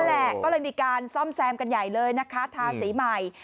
แหละก็เลยมีการซ่อมแซมกันใหญ่เลยนะคะทาสีใหม่